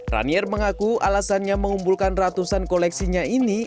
ranier mengaku alasannya mengumpulkan ratusan koleksinya ini